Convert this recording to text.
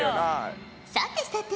さてさて。